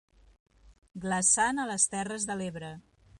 Glaçant a les terres de l'Ebre.